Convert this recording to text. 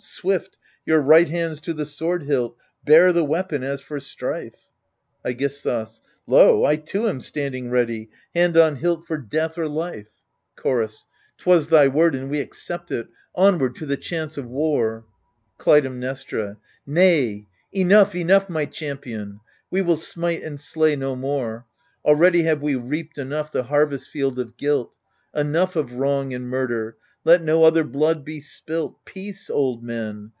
Swift, your right hands to the sword hilt ! bare the weapon as for strife — JEgistkvs Lo 1 I too am standing ready, hand on hilt for death or life. AGAMEMNON 77 Chorus 'Twas thy word and we accept it : onward to the chance of war I Clytemnestra Nay, enough, enough, my champion ! we will smite and slay no more. Already have we reaped enough the harvest field of guilt : Enough of wrong and murder, let no other blood be spilt. Peace, old men